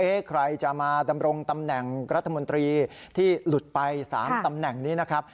ใครจะมาดำรงตำแหน่งรัฐมนตรีที่หลุดไป๓ตำแหน่งนี้นะครับ